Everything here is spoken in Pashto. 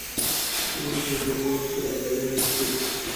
چارواکي او زورواکي په درغلیو بوخت وو.